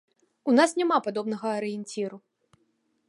У нас няма падобнага арыенціру.